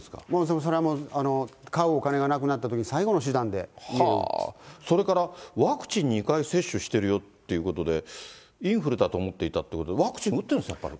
それはもう、買うお金がなくなったときに、それから、ワクチン２回接種してるよってことで、インフルだと思っていたということで、ワクチン打っているですね。